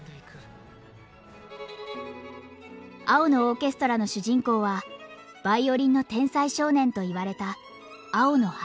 「青のオーケストラ」の主人公はヴァイオリンの天才少年と言われた青野一。